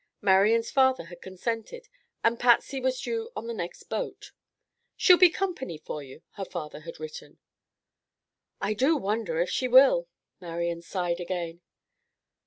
Marian's father had consented, and Patsy was due on the next boat. "She'll be company for you," her father had written. "I do wonder if she will?" Marian sighed again.